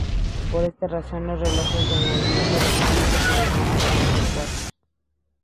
Por esta razón los relojes de movimiento electrónico se les llama relojes de cuarzo.